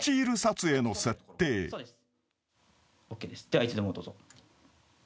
ではいつでもどうぞ。